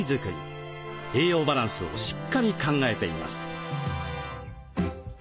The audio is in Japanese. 栄養バランスをしっかり考えています。